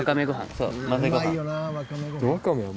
そう混ぜごはん。